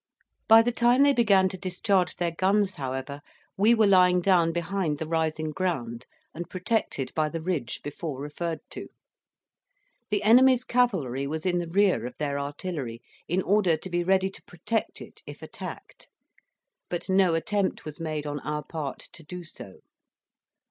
By the time they began to discharge their guns, however, we were lying down behind the rising ground, and protected by the ridge before referred to. The enemy's cavalry was in the rear of their artillery, in order to be ready to protect it if attacked; but no attempt was made on our part to do so.